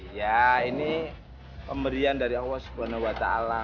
iya ini pemberian dari allah subhanahu wa ta'ala